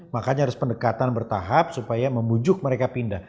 makanya harus pendekatan bertahap supaya membujuk mereka pindah